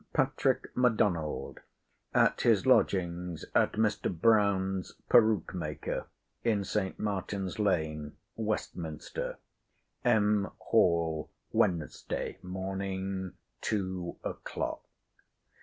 PATRICK M'DONALD, AT HIS LODGINGS, AT MR. BROWN'S, PERUKE MAKER, IN ST. MARTIN'S LANE, WESTMINSTER M. Hall, Wedn. Morning, Two o'clock.